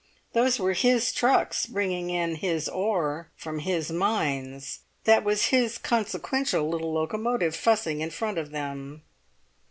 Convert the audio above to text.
Those were his trucks bringing in his ore from his mines; that was his consequential little locomotive fussing in front of them.